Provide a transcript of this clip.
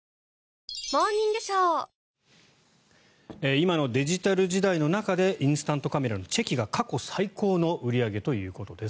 今のデジタル時代の中でインスタントカメラのチェキが過去最高の売り上げということです。